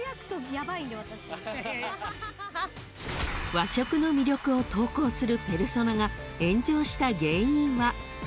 ［和食の魅力を投稿するペルソナが炎上した原因は］